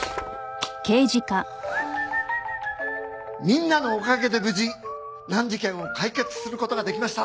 みんなのおかげで無事難事件を解決する事ができました。